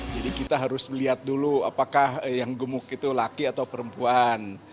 jadi kita harus melihat dulu apakah yang gemuk itu laki atau perempuan